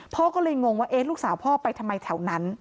พ่อก็เลยงงว่าลูกสาวพ่อไปทำไมแถวนั้น